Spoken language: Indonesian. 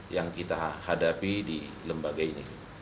yang kita hadapi di lembaga ini